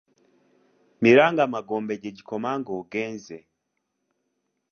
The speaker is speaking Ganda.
Miranga magombe gye gikoma ng’ogenze.